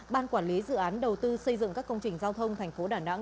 ban quản lý dự án đầu tư xây dựng các công trình giao thông thành phố đà nẵng